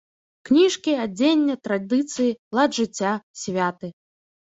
Кніжкі, адзенне, традыцыі, лад жыцця, святы.